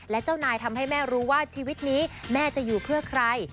และเจ้านายทำให้แม่รู้ว่าชีวิตนี้แม่จะอยู่เพื่อใคร